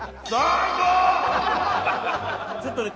ちょっとね。